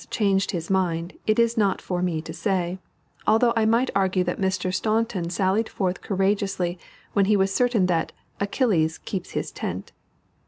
changed his mind, it is not for me to say; although I might argue that Mr. Staunton sallied forth courageously when he was certain that "Achilles keeps his tent."